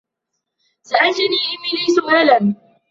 سألتني إيميلي سؤالاً.